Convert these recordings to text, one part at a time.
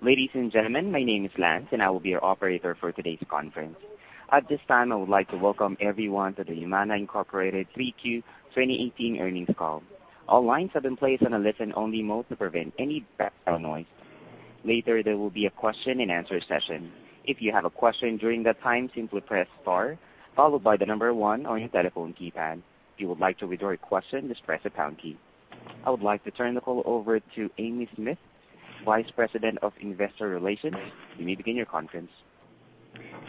Ladies and gentlemen, my name is Lance, and I will be your operator for today's conference. At this time, I would like to welcome everyone to the Humana Inc 3Q 2018 earnings call. All lines have been placed on a listen-only mode to prevent any noise. Later, there will be a question and answer session. If you have a question during that time, simply press star, followed by the number one on your telephone keypad. If you would like to withdraw your question, just press the pound key. I would like to turn the call over to Amy Smith, Vice President of Investor Relations. You may begin your conference.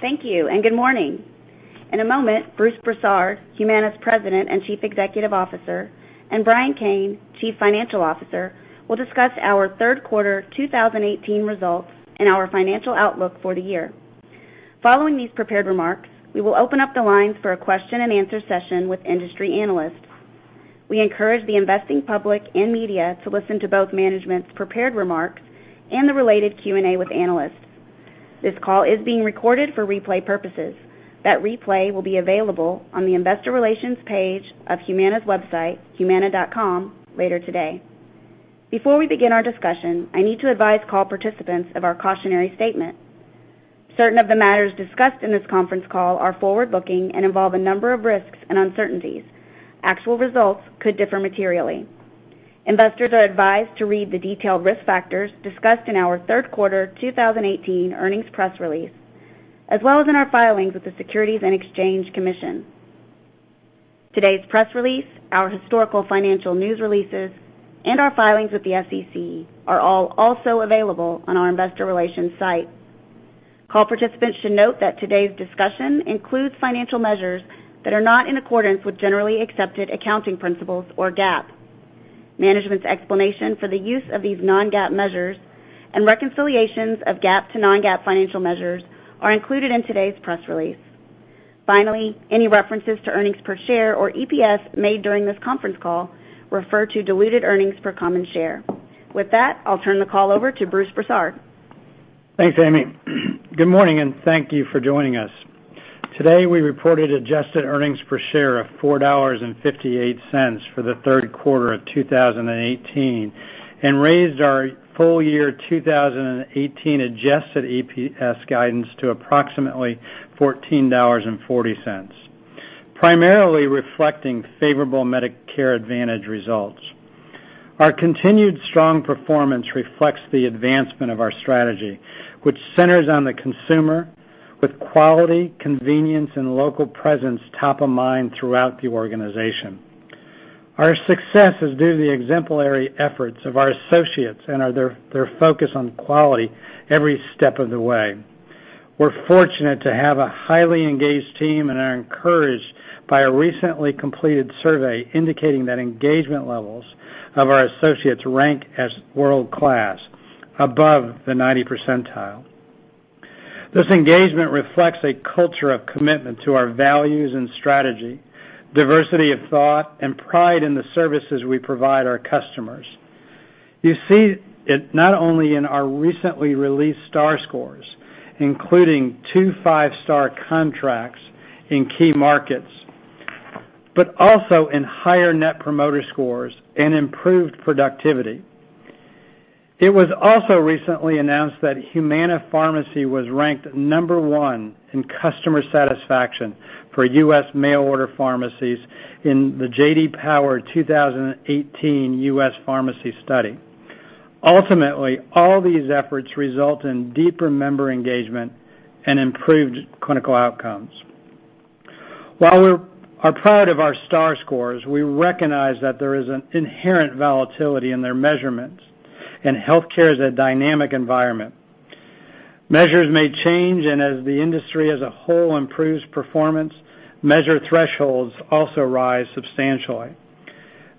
Thank you. Good morning. In a moment, Bruce Broussard, Humana's President and Chief Executive Officer, and Brian Kane, Chief Financial Officer, will discuss our third quarter 2018 results and our financial outlook for the year. Following these prepared remarks, we will open up the lines for a question and answer session with industry analysts. We encourage the investing public and media to listen to both management's prepared remarks and the related Q&A with analysts. This call is being recorded for replay purposes. That replay will be available on the investor relations page of Humana's website, humana.com, later today. Before we begin our discussion, I need to advise call participants of our cautionary statement. Certain of the matters discussed in this conference call are forward-looking and involve a number of risks and uncertainties. Actual results could differ materially. Investors are advised to read the detailed risk factors discussed in our third quarter 2018 earnings press release, as well as in our filings with the Securities and Exchange Commission. Today's press release, our historical financial news releases, and our filings with the SEC are all also available on our investor relations site. Call participants should note that today's discussion includes financial measures that are not in accordance with generally accepted accounting principles or GAAP. Management's explanation for the use of these non-GAAP measures and reconciliations of GAAP to non-GAAP financial measures are included in today's press release. Finally, any references to earnings per share or EPS made during this conference call refer to diluted earnings per common share. With that, I'll turn the call over to Bruce Broussard. Thanks, Amy. Good morning. Thank you for joining us. Today, we reported adjusted earnings per share of $4.58 for the third quarter of 2018 and raised our full year 2018 adjusted EPS guidance to approximately $14.40, primarily reflecting favorable Medicare Advantage results. Our continued strong performance reflects the advancement of our strategy, which centers on the consumer with quality, convenience, and local presence top of mind throughout the organization. Our success is due to the exemplary efforts of our associates and their focus on quality every step of the way. We're fortunate to have a highly engaged team and are encouraged by a recently completed survey indicating that engagement levels of our associates rank as world-class, above the 90th percentile. This engagement reflects a culture of commitment to our values and strategy, diversity of thought, and pride in the services we provide our customers. You see it not only in our recently released star scores, including two five-star contracts in key markets, but also in higher net promoter scores and improved productivity. It was also recently announced that Humana Pharmacy was ranked number 1 in customer satisfaction for U.S. mail-order pharmacies in the J.D. Power 2018 U.S. Pharmacy Study. Ultimately, all these efforts result in deeper member engagement and improved clinical outcomes. While we are proud of our star scores, we recognize that there is an inherent volatility in their measurements, and healthcare is a dynamic environment. Measures may change. As the industry as a whole improves performance, measure thresholds also rise substantially.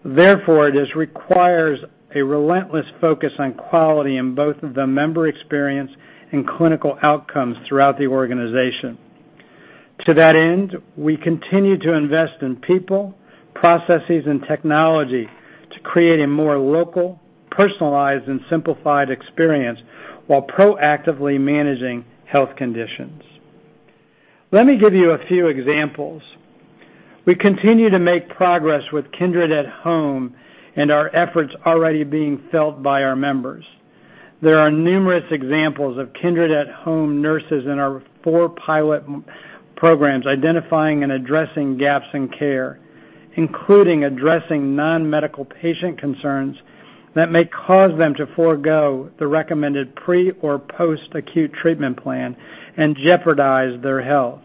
Therefore, this requires a relentless focus on quality in both the member experience and clinical outcomes throughout the organization. To that end, we continue to invest in people, processes, and technology to create a more local, personalized, and simplified experience while proactively managing health conditions. Let me give you a few examples. We continue to make progress with Kindred at Home. Our efforts already being felt by our members. There are numerous examples of Kindred at Home nurses in our four pilot programs identifying and addressing gaps in care, including addressing non-medical patient concerns that may cause them to forego the recommended pre or post-acute treatment plan and jeopardize their health.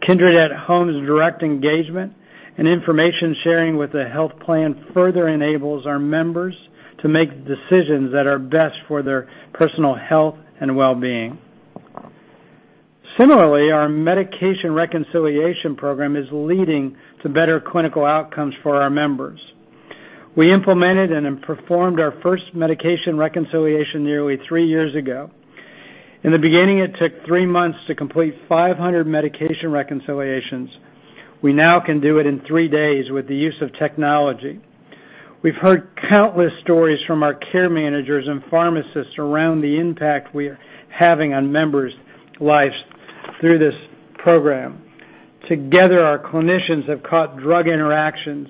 Kindred at Home's direct engagement and information sharing with the health plan further enables our members to make decisions that are best for their personal health and wellbeing. Similarly, our medication reconciliation program is leading to better clinical outcomes for our members. We implemented and performed our first medication reconciliation nearly three years ago. In the beginning, it took three months to complete 500 medication reconciliations. We now can do it in three days with the use of technology. We've heard countless stories from our care managers and pharmacists around the impact we are having on members' lives through this program. Together, our clinicians have caught drug interactions,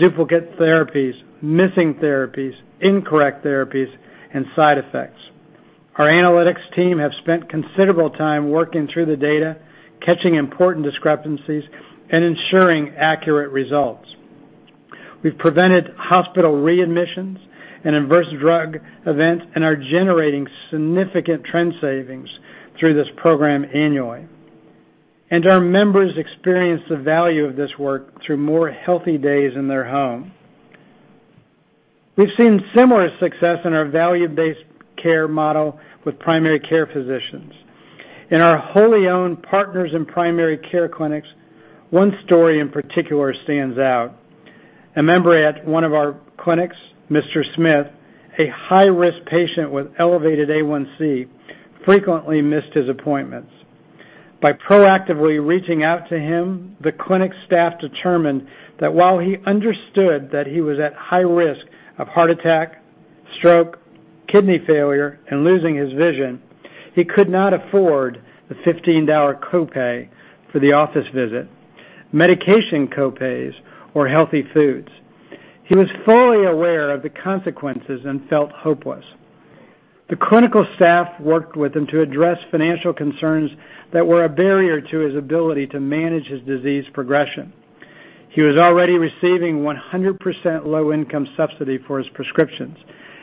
duplicate therapies, missing therapies, incorrect therapies, and side effects. Our analytics team have spent considerable time working through the data, catching important discrepancies, and ensuring accurate results. We've prevented hospital readmissions and adverse drug events and are generating significant trend savings through this program annually. Our members experience the value of this work through more healthy days in their home. We've seen similar success in our value-based care model with primary care physicians. In our wholly-owned Partners in Primary Care clinics, one story in particular stands out. A member at one of our clinics, Mr. Smith, a high-risk patient with elevated A1C, frequently missed his appointments. By proactively reaching out to him, the clinic staff determined that while he understood that he was at high risk of heart attack, stroke, kidney failure, and losing his vision, he could not afford the $15 copay for the office visit, medication copays, or healthy foods. He was fully aware of the consequences and felt hopeless. The clinical staff worked with him to address financial concerns that were a barrier to his ability to manage his disease progression. He was already receiving 100% low-income subsidy for his prescriptions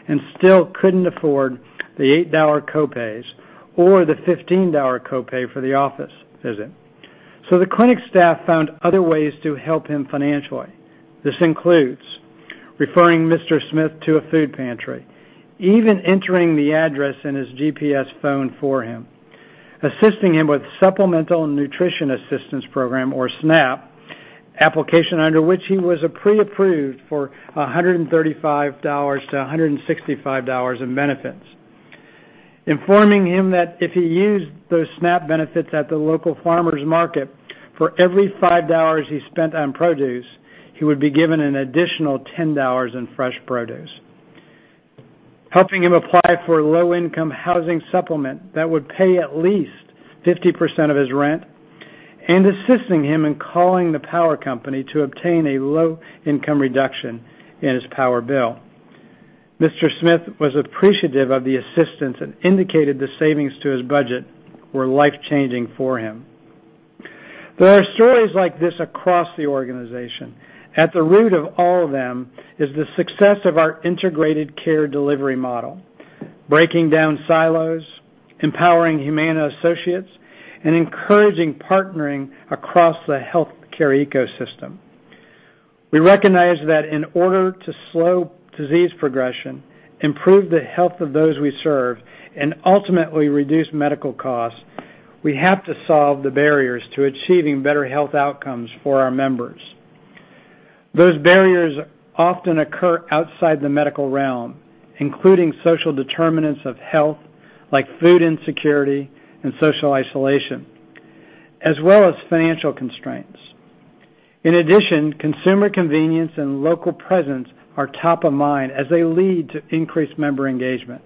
and still couldn't afford the $8 copays or the $15 copay for the office visit. The clinic staff found other ways to help him financially. This includes referring Mr. Smith to a food pantry, even entering the address in his GPS phone for him, assisting him with Supplemental Nutrition Assistance Program, or SNAP application, under which he was pre-approved for $135-$165 in benefits, informing him that if he used those SNAP benefits at the local farmers market, for every $5 he spent on produce, he would be given an additional $10 in fresh produce, helping him apply for low-income housing supplement that would pay at least 50% of his rent, and assisting him in calling the power company to obtain a low-income reduction in his power bill. Mr. Smith was appreciative of the assistance and indicated the savings to his budget were life-changing for him. There are stories like this across the organization. At the root of all of them is the success of our integrated care delivery model, breaking down silos, empowering Humana associates, and encouraging partnering across the healthcare ecosystem. We recognize that in order to slow disease progression, improve the health of those we serve, and ultimately reduce medical costs, we have to solve the barriers to achieving better health outcomes for our members. Those barriers often occur outside the medical realm, including social determinants of health, like food insecurity and social isolation, as well as financial constraints. Consumer convenience and local presence are top of mind as they lead to increased member engagement.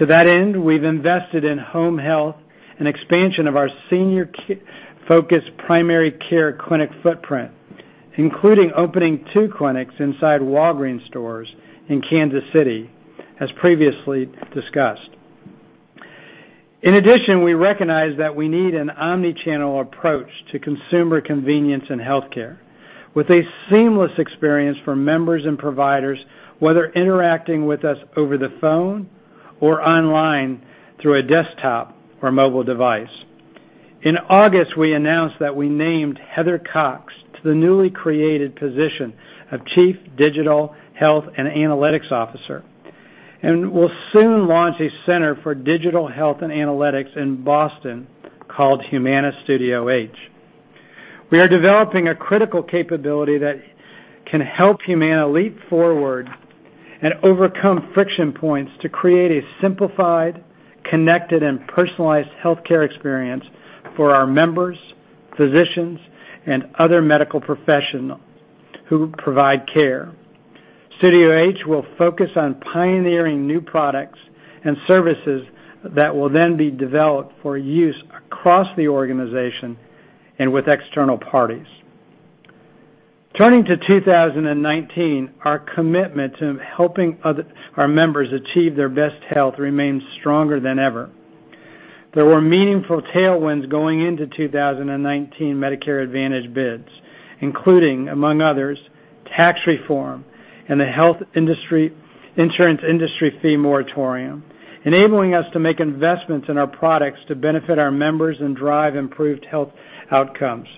We've invested in home health and expansion of our senior focus primary care clinic footprint, including opening two clinics inside Walgreens stores in Kansas City, as previously discussed. We recognize that we need an omni-channel approach to consumer convenience in healthcare with a seamless experience for members and providers, whether interacting with us over the phone or online through a desktop or mobile device. In August, we announced that we named Heather Cox to the newly created position of Chief Digital Health and Analytics Officer, and we'll soon launch a center for digital health and analytics in Boston called Humana Studio H. We are developing a critical capability that can help Humana leap forward and overcome friction points to create a simplified, connected, and personalized healthcare experience for our members, physicians, and other medical professional who provide care. Studio H will focus on pioneering new products and services that will then be developed for use across the organization and with external parties. Turning to 2019, our commitment to helping our members achieve their best health remains stronger than ever. There were meaningful tailwinds going into 2019 Medicare Advantage bids, including, among others, tax reform and the health insurance industry fee moratorium, enabling us to make investments in our products to benefit our members and drive improved health outcomes.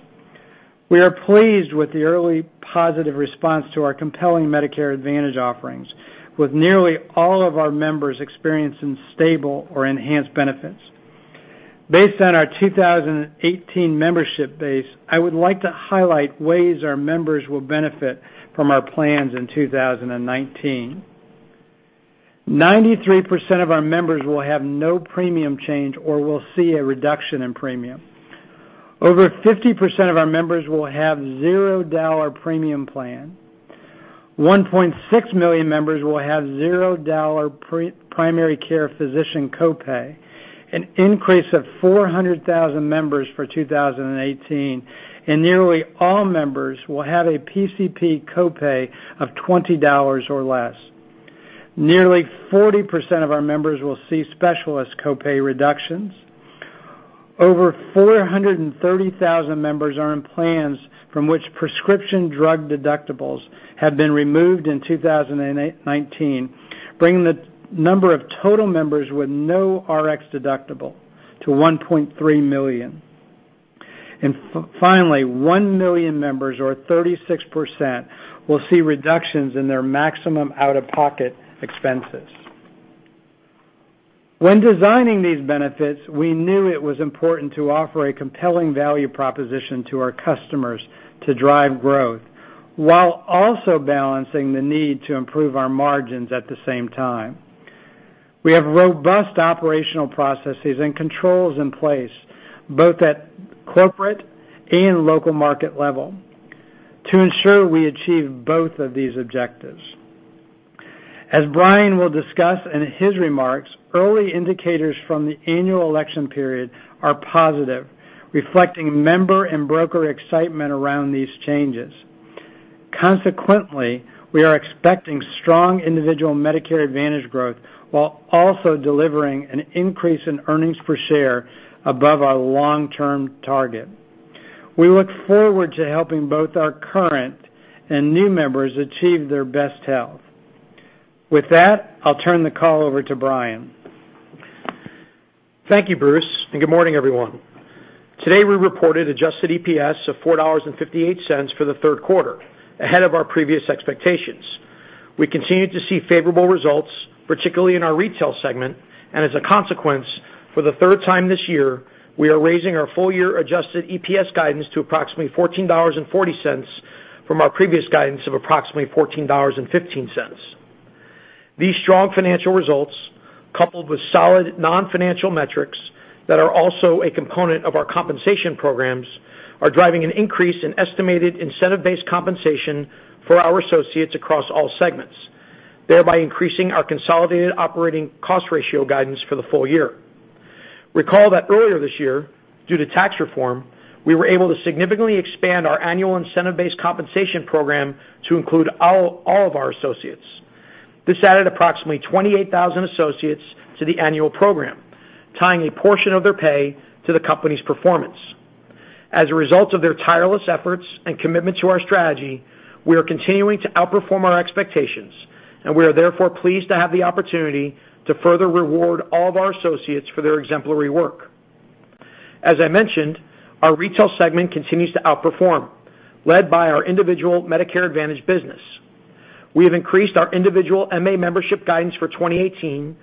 We are pleased with the early positive response to our compelling Medicare Advantage offerings with nearly all of our members experiencing stable or enhanced benefits. Based on our 2018 membership base, I would like to highlight ways our members will benefit from our plans in 2019. 93% of our members will have no premium change or will see a reduction in premium. Over 50% of our members will have $0 premium plan. 1.6 million members will have $0 primary care physician copay, an increase of 400,000 members for 2018, and nearly all members will have a PCP copay of $20 or less. Nearly 40% of our members will see specialist copay reductions. Over 430,000 members are on plans from which prescription drug deductibles have been removed in 2019, bringing the number of total members with no Rx deductible to 1.3 million. Finally, 1 million members or 36% will see reductions in their maximum out-of-pocket expenses. When designing these benefits, we knew it was important to offer a compelling value proposition to our customers to drive growth, while also balancing the need to improve our margins at the same time. We have robust operational processes and controls in place, both at corporate and local market level to ensure we achieve both of these objectives. As Brian will discuss in his remarks, early indicators from the annual election period are positive, reflecting member and broker excitement around these changes. Consequently, we are expecting strong individual Medicare Advantage growth while also delivering an increase in earnings per share above our long-term target. We look forward to helping both our current and new members achieve their best health. With that, I'll turn the call over to Brian. Thank you, Bruce. Good morning, everyone. Today, we reported adjusted EPS of $4.58 for the third quarter, ahead of our previous expectations. We continued to see favorable results, particularly in our retail segment. As a consequence, for the third time this year, we are raising our full year adjusted EPS guidance to approximately $14.40 from our previous guidance of approximately $14.15. These strong financial results, coupled with solid non-financial metrics that are also a component of our compensation programs, are driving an increase in estimated incentive-based compensation for our associates across all segments, thereby increasing our consolidated operating cost ratio guidance for the full year. Recall that earlier this year, due to tax reform, we were able to significantly expand our annual incentive-based compensation program to include all of our associates. This added approximately 28,000 associates to the annual program, tying a portion of their pay to the company's performance. As a result of their tireless efforts and commitment to our strategy, we are continuing to outperform our expectations. We are therefore pleased to have the opportunity to further reward all of our associates for their exemplary work. As I mentioned, our retail segment continues to outperform, led by our individual Medicare Advantage business. We have increased our individual MA membership guidance for 2018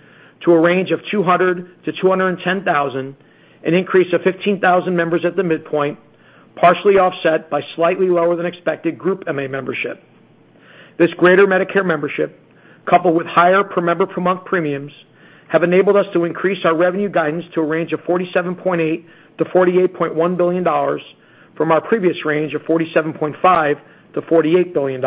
to a range of 200,000-210,000, an increase of 15,000 members at the midpoint, partially offset by slightly lower than expected group MA membership. This greater Medicare membership, coupled with higher per member per month premiums, have enabled us to increase our revenue guidance to a range of $47.8 billion-$48.1 billion from our previous range of $47.5 billion-$48 billion.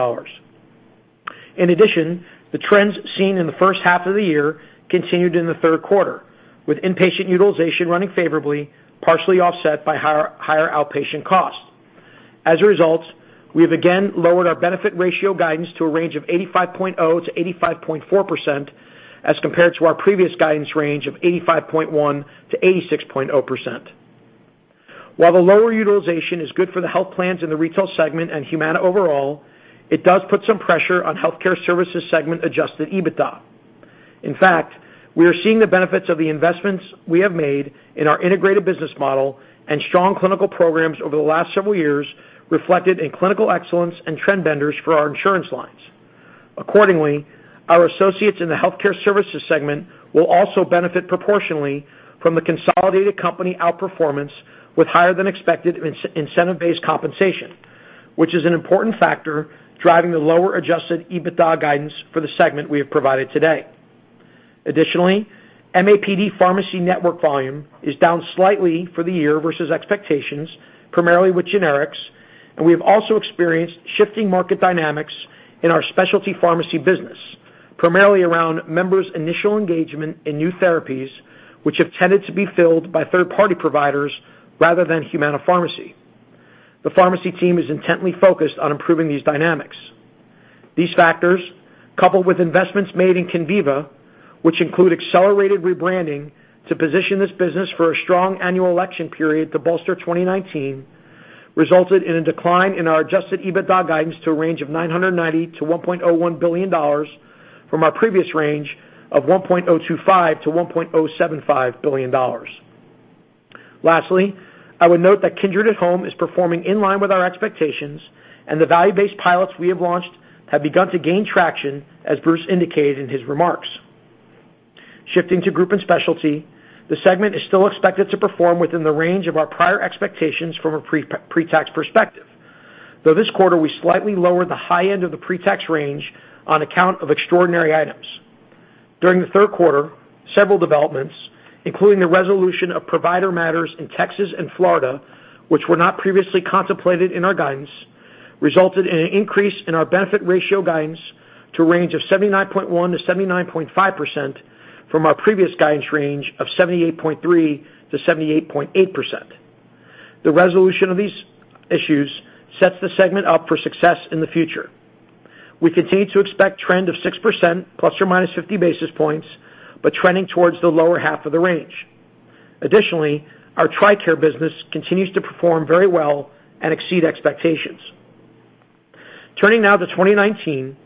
In addition, the trends seen in the first half of the year continued in the third quarter, with inpatient utilization running favorably, partially offset by higher outpatient costs. As a result, we have again lowered our benefit ratio guidance to a range of 85.0%-85.4%, as compared to our previous guidance range of 85.1%-86.0%. While the lower utilization is good for the health plans in the retail segment and Humana overall, it does put some pressure on healthcare services segment adjusted EBITDA. In fact, we are seeing the benefits of the investments we have made in our integrated business model and strong clinical programs over the last several years reflected in clinical excellence and trend benders for our insurance lines. Accordingly, our associates in the healthcare services segment will also benefit proportionally from the consolidated company outperformance with higher than expected incentive-based compensation, which is an important factor driving the lower adjusted EBITDA guidance for the segment we have provided today. Additionally, MAPD pharmacy network volume is down slightly for the year versus expectations, primarily with generics, and we have also experienced shifting market dynamics in our specialty pharmacy business, primarily around members' initial engagement in new therapies, which have tended to be filled by third-party providers rather than Humana Pharmacy. The pharmacy team is intently focused on improving these dynamics. These factors, coupled with investments made in Conviva, which include accelerated rebranding to position this business for a strong annual election period to bolster 2019, resulted in a decline in our adjusted EBITDA guidance to a range of $990 million to $1.01 billion from our previous range of $1.025 billion-$1.075 billion. Lastly, I would note that Kindred at Home is performing in line with our expectations, and the value-based pilots we have launched have begun to gain traction, as Bruce indicated in his remarks. Shifting to group and specialty, the segment is still expected to perform within the range of our prior expectations from a pre-tax perspective, though this quarter we slightly lowered the high end of the pre-tax range on account of extraordinary items. During the third quarter, several developments, including the resolution of provider matters in Texas and Florida, which were not previously contemplated in our guidance, resulted in an increase in our benefit ratio guidance to a range of 79.1%-79.5% from our previous guidance range of 78.3%-78.8%. The resolution of these issues sets the segment up for success in the future. We continue to expect trend of 6%, ±50 basis points, but trending towards the lower half of the range. Additionally, our TRICARE business continues to perform very well and exceed expectations. Turning now to 2019.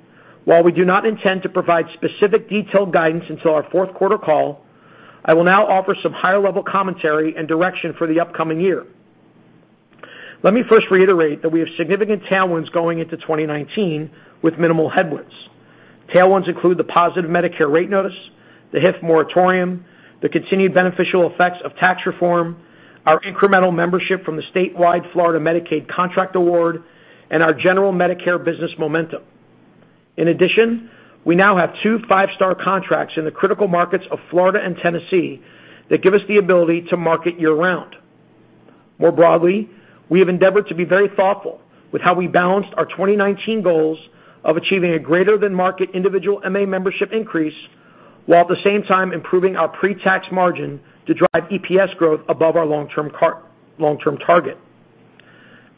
While we do not intend to provide specific detailed guidance until our fourth quarter call, I will now offer some higher-level commentary and direction for the upcoming year. Let me first reiterate that we have significant tailwinds going into 2019 with minimal headwinds. Tailwinds include the positive Medicare rate notice, the HIF Moratorium, the continued beneficial effects of tax reform, our incremental membership from the statewide Florida Medicaid contract award, and our general Medicare business momentum. In addition, we now have two five-star contracts in the critical markets of Florida and Tennessee that give us the ability to market year-round. More broadly, we have endeavored to be very thoughtful with how we balanced our 2019 goals of achieving a greater than market individual MA membership increase, while at the same time improving our pre-tax margin to drive EPS growth above our long-term target.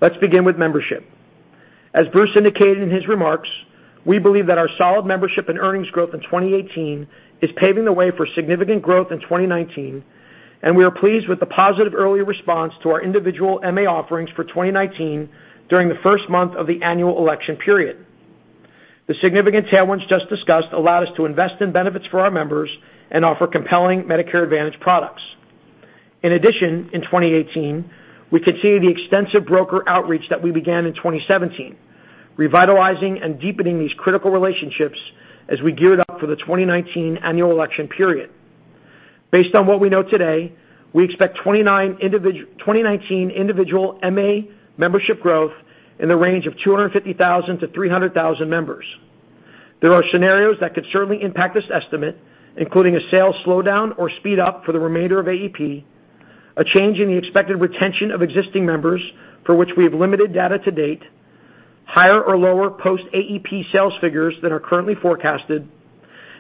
Let's begin with membership. As Bruce indicated in his remarks, we believe that our solid membership and earnings growth in 2018 is paving the way for significant growth in 2019, and we are pleased with the positive early response to our individual MA offerings for 2019 during the first month of the Annual Election Period. The significant tailwinds just discussed allowed us to invest in benefits for our members and offer compelling Medicare Advantage products. In addition, in 2018, we continued the extensive broker outreach that we began in 2017, revitalizing and deepening these critical relationships as we geared up for the 2019 Annual Election Period. Based on what we know today, we expect 2019 individual MA membership growth in the range of 250,000 members-300,000 members. There are scenarios that could certainly impact this estimate, including a sales slowdown or speed up for the remainder of AEP, a change in the expected retention of existing members for which we have limited data to date, higher or lower post-AEP sales figures than are currently forecasted,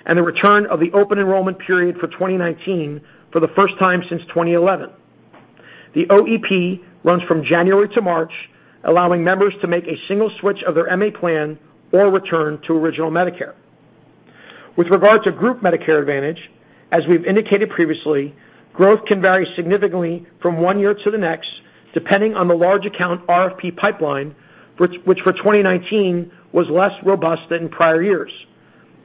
and the return of the Open Enrollment Period for 2019 for the first time since 2011. The OEP runs from January to March, allowing members to make a single switch of their MA plan or return to original Medicare. With regard to group Medicare Advantage, as we've indicated previously, growth can vary significantly from one year to the next, depending on the large account RFP pipeline, which for 2019 was less robust than in prior years.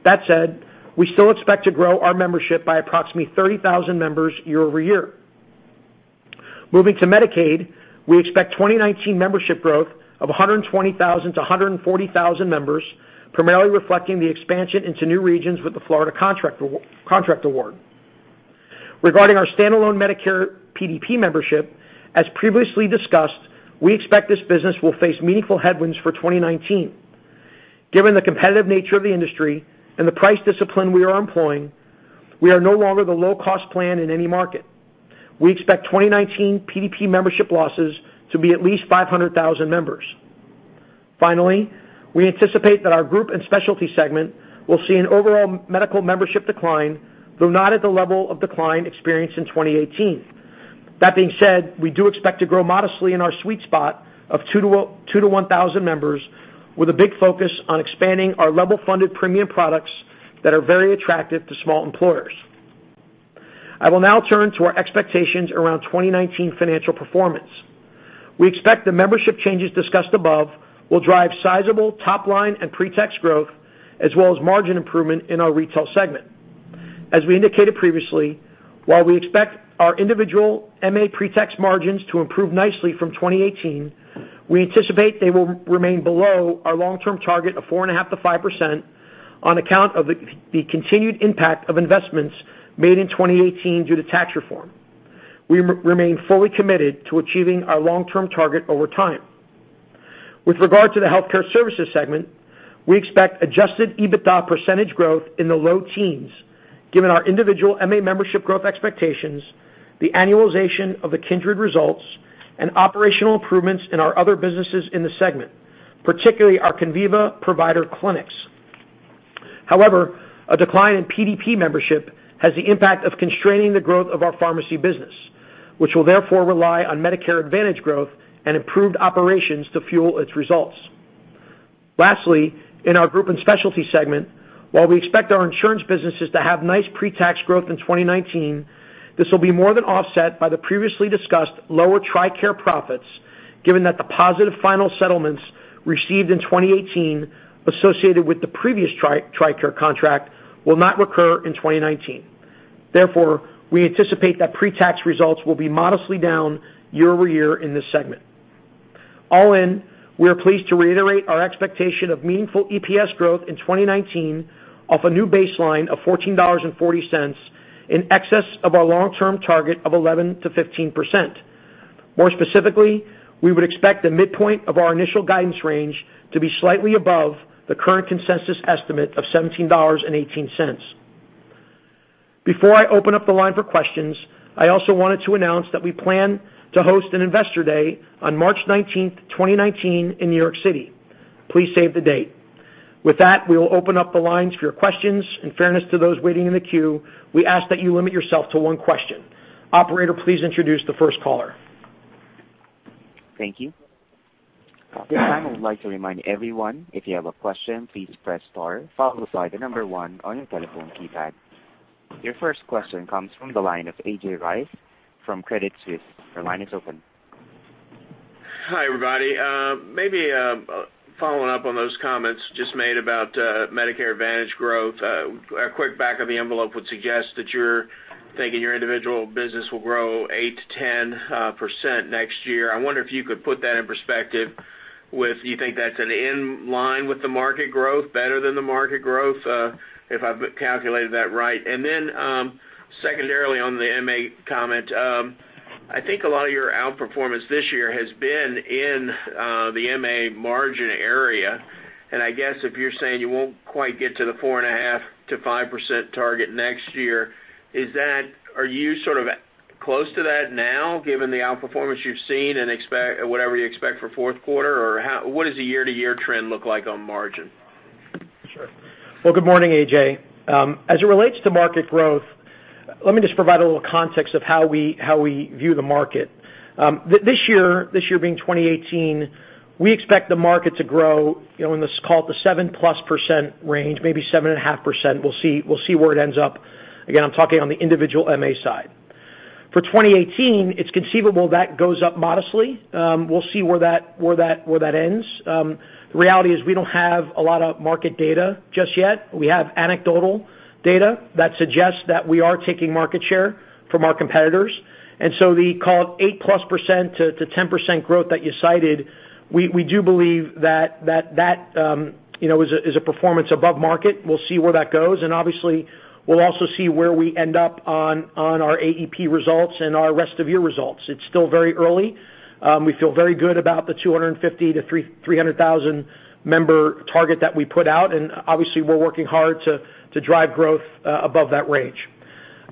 That said, we still expect to grow our membership by approximately 30,000 members year-over-year. Moving to Medicaid, we expect 2019 membership growth of 120,000 members-140,000 members, primarily reflecting the expansion into new regions with the Florida contract award. Regarding our standalone Medicare PDP membership, as previously discussed, we expect this business will face meaningful headwinds for 2019. Given the competitive nature of the industry and the price discipline we are employing, we are no longer the low-cost plan in any market. We expect 2019 PDP membership losses to be at least 500,000 members. Finally, we anticipate that our group and specialty segment will see an overall medical membership decline, though not at the level of decline experienced in 2018. That being said, we do expect to grow modestly in our sweet spot of 2-1,000 members with a big focus on expanding our level-funded premium products that are very attractive to small employers. I will now turn to our expectations around 2019 financial performance. We expect the membership changes discussed above will drive sizable top-line and pre-tax growth, as well as margin improvement in our retail segment. As we indicated previously, while we expect our individual MA pre-tax margins to improve nicely from 2018, we anticipate they will remain below our long-term target of 4.5%-5% on account of the continued impact of investments made in 2018 due to tax reform. We remain fully committed to achieving our long-term target over time. With regard to the healthcare services segment, we expect adjusted EBITDA percentage growth in the low teens, given our individual MA membership growth expectations, the annualization of the Kindred results, and operational improvements in our other businesses in the segment, particularly our Conviva provider clinics. A decline in PDP membership has the impact of constraining the growth of our pharmacy business, which will therefore rely on Medicare Advantage growth and improved operations to fuel its results. Lastly, in our group and specialty segment, while we expect our insurance businesses to have nice pre-tax growth in 2019, this will be more than offset by the previously discussed lower TRICARE profits, given that the positive final settlements received in 2018 associated with the previous TRICARE contract will not recur in 2019. We anticipate that pre-tax results will be modestly down year-over-year in this segment. All in, we are pleased to reiterate our expectation of meaningful EPS growth in 2019 off a new baseline of $14.40, in excess of our long-term target of 11%-15%. More specifically, we would expect the midpoint of our initial guidance range to be slightly above the current consensus estimate of $17.18. Before I open up the line for questions, I also wanted to announce that we plan to host an Investor Day on March 19th, 2019, in New York City. Please save the date. With that, we will open up the lines for your questions. In fairness to those waiting in the queue, we ask that you limit yourself to one question. Operator, please introduce the first caller. Thank you. At this time, I would like to remind everyone, if you have a question, please press star followed by the number one on your telephone keypad. Your first question comes from the line of A.J. Rice from Credit Suisse. Your line is open. Hi, everybody. Maybe following up on those comments just made about Medicare Advantage growth, a quick back-of-the-envelope would suggest that you're thinking your individual business will grow 8%-10% next year. I wonder if you could put that in perspective with, do you think that's an inline with the market growth, better than the market growth, if I've calculated that right? Secondarily on the MA comment, I think a lot of your outperformance this year has been in the MA margin area, and I guess if you're saying you won't quite get to the 4.5%-5% target next year, are you sort of close to that now, given the outperformance you've seen and whatever you expect for fourth quarter? What does the year-to-year trend look like on margin? Sure. Well, good morning, AJ. As it relates to market growth, let me just provide a little context of how we view the market. This year, this year being 2018, we expect the market to grow in this, call it, the 7%+ range, maybe 7.5%. We'll see where it ends up. Again, I'm talking on the individual MA side. For 2018, it's conceivable that goes up modestly. We'll see where that ends. The reality is we don't have a lot of market data just yet. We have anecdotal data that suggests that we are taking market share from our competitors. So the, call it, 8%+ to 10% growth that you cited, we do believe that is a performance above market. We'll see where that goes, and obviously, we'll also see where we end up on our AEP results and our rest of year results. It's still very early. We feel very good about the 250-300,000 member target that we put out, and obviously, we're working hard to drive growth above that range.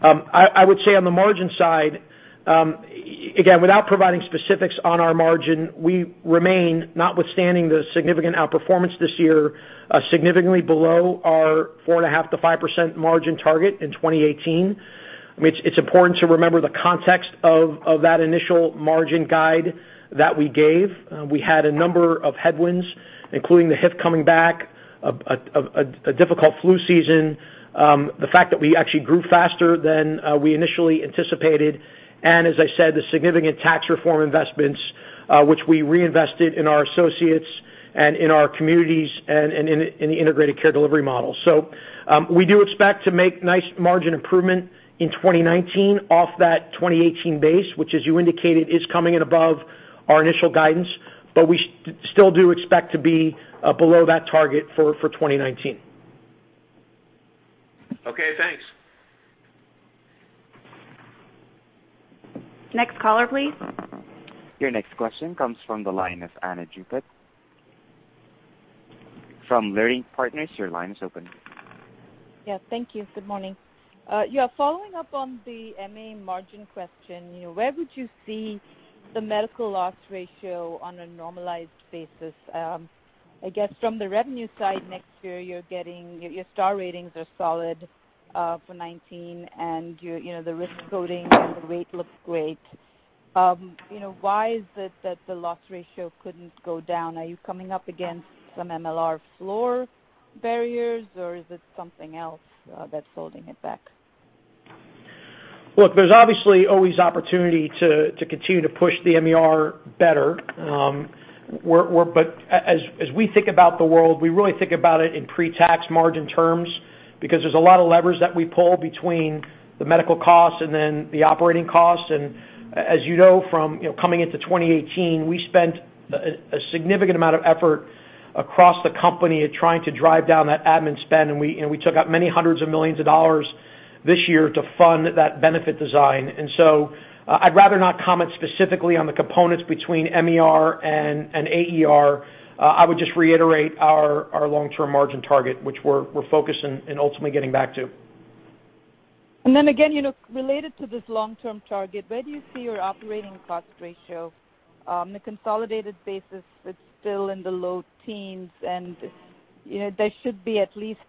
I would say on the margin side, again, without providing specifics on our margin, we remain, notwithstanding the significant outperformance this year, significantly below our 4.5%-5% margin target in 2018. It's important to remember the context of that initial margin guide that we gave. We had a number of headwinds, including the HIF coming back, a difficult flu season, the fact that we actually grew faster than we initially anticipated, as I said, the significant tax reform investments, which we reinvested in our associates and in our communities and in the integrated care delivery model. We do expect to make nice margin improvement in 2019 off that 2018 base, which as you indicated, is coming in above our initial guidance. We still do expect to be below that target for 2019. Okay, thanks. Next caller, please. Your next question comes from the line of Ana Gupte. From Leerink Partners, your line is open. Yeah, thank you. Good morning. Yeah, following up on the MA margin question, where would you see the medical loss ratio on a normalized basis? I guess from the revenue side next year, your star ratings are solid for 2019, and the risk coding and the rate looks great. Why is it that the loss ratio couldn't go down? Are you coming up against some MLR floor barriers, or is it something else that's holding it back? Look, there's obviously always opportunity to continue to push the MER better. As we think about the world, we really think about it in pre-tax margin terms because there's a lot of levers that we pull between the medical costs and then the operating costs. As you know from coming into 2018, we spent a significant amount of effort across the company at trying to drive down that admin spend. We took out many hundreds of millions of dollars this year to fund that benefit design. I'd rather not comment specifically on the components between MER and AER. I would just reiterate our long-term margin target, which we're focused and ultimately getting back to. Again, related to this long-term target, where do you see your operating cost ratio? On a consolidated basis, it's still in the low teens, and there should be at least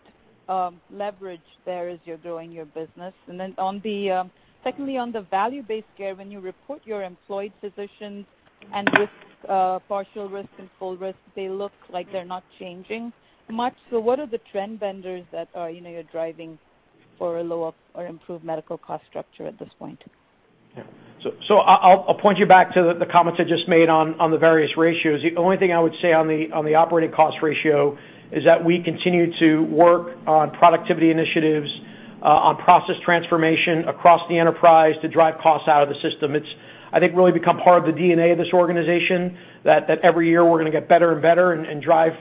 leverage there as you're growing your business. Secondly, on the value-based care, when you report your employed physicians and risk, partial risk and full risk, they look like they're not changing much. What are the trend vendors that you're driving for a lower or improved medical cost structure at this point? Yeah. I'll point you back to the comments I just made on the various ratios. The only thing I would say on the operating cost ratio is that we continue to work on productivity initiatives, on process transformation across the enterprise to drive costs out of the system. It's, I think, really become part of the DNA of this organization, that every year we're going to get better and better and drive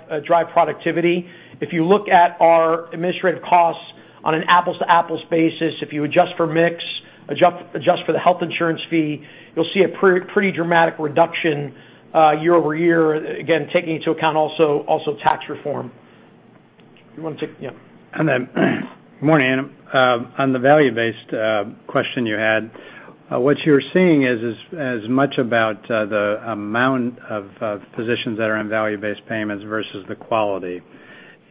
productivity. If you look at our administrative costs. On an apples-to-apples basis, if you adjust for mix, adjust for the health insurance fee, you'll see a pretty dramatic reduction year-over-year, again, taking into account also tax reform. You want to take. Yeah. Good morning. On the value-based question you had, what you're seeing is as much about the amount of positions that are in value-based payments versus the quality.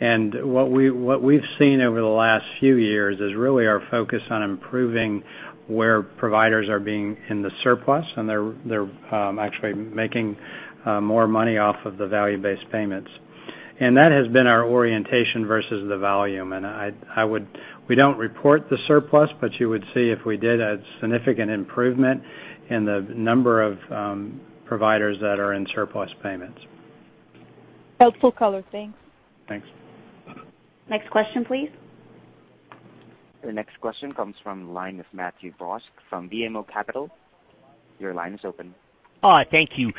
What we've seen over the last few years is really our focus on improving where providers are being in the surplus, and they're actually making more money off of the value-based payments. That has been our orientation versus the volume. We don't report the surplus, but you would see if we did a significant improvement in the number of providers that are in surplus payments. Helpful color. Thanks. Thanks. Next question, please. The next question comes from the line of Matthew Borsch from BMO Capital. Your line is open. Thank you.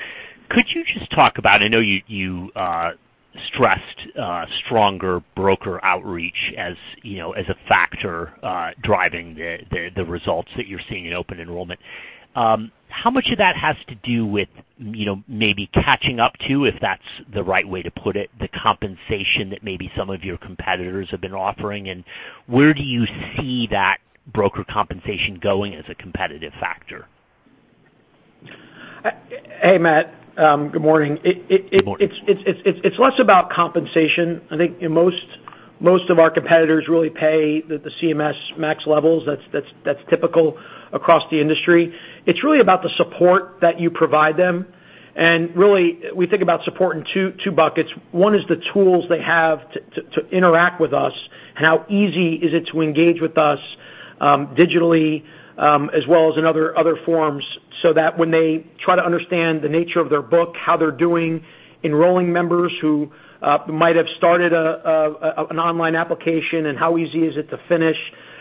Could you just talk about, I know you stressed stronger broker outreach as a factor driving the results that you're seeing in open enrollment. How much of that has to do with maybe catching up to, if that's the right way to put it, the compensation that maybe some of your competitors have been offering, and where do you see that broker compensation going as a competitive factor? Hey, Matt. Good morning. Good morning. It's less about compensation. I think most of our competitors really pay the CMS max levels. That's typical across the industry. It's really about the support that you provide them, and really, we think about support in two buckets. One is the tools they have to interact with us and how easy is it to engage with us digitally as well as in other forms, so that when they try to understand the nature of their book, how they're doing, enrolling members who might have started an online application, and how easy is it to finish,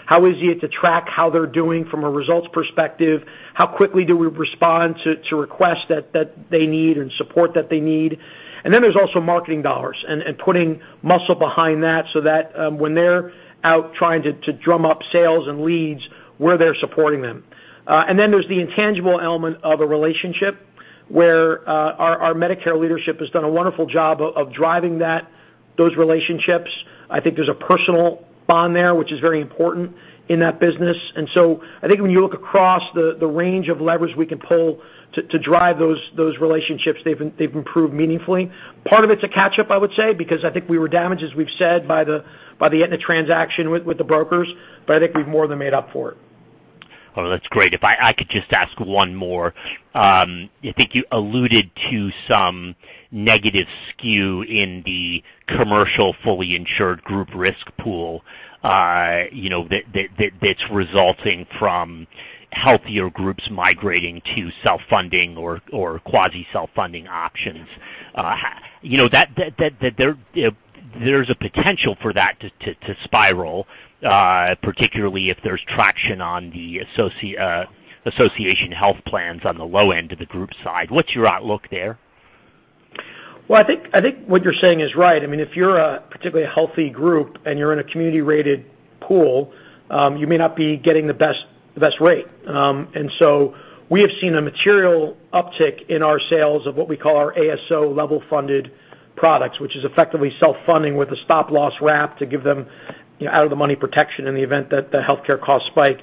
how easy is it to track how they're doing from a results perspective, how quickly do we respond to requests that they need and support that they need. There's also marketing dollars and putting muscle behind that so that when they're out trying to drum up sales and leads, we're there supporting them. There's the intangible element of a relationship where our Medicare leadership has done a wonderful job of driving those relationships. I think there's a personal bond there, which is very important in that business. So I think when you look across the range of levers we can pull to drive those relationships, they've improved meaningfully. Part of it's a catch-up, I would say, because I think we were damaged, as we've said, by the Aetna transaction with the brokers, but I think we've more than made up for it. Well, that's great. If I could just ask one more. I think you alluded to some negative skew in the commercial fully insured group risk pool that's resulting from healthier groups migrating to self-funding or quasi-self-funding options. There's a potential for that to spiral, particularly if there's traction on the association health plans on the low end of the group side. What's your outlook there? I think what you're saying is right. If you're a particularly healthy group and you're in a community-rated pool, you may not be getting the best rate. We have seen a material uptick in our sales of what we call our ASO level funded products, which is effectively self-funding with a stop loss wrap to give them out of the money protection in the event that the healthcare costs spike.